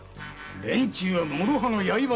連中はもろ刃の刃。